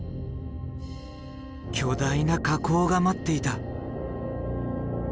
巨大な火口が待っていた。